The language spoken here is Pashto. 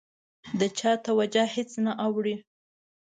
د چا توجه هېڅ نه اوړي.